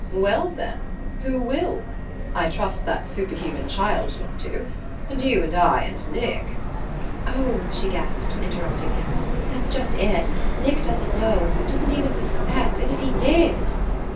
"Well, then who will! I trust that superhuman child not to. And you and I and Nick " "Oh," she gasped, interrupting him, "that's just it. Nick doesn't know... doesn't even suspect. And if he did...."